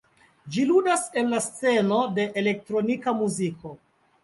Ĝi ludas en la sceno de elektronika muziko.